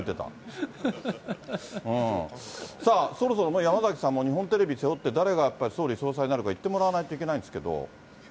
さあ、そろそろ山崎さんも、日本テレビ背負って、誰が総理総裁なるか言ってもらわないといけないんですけど。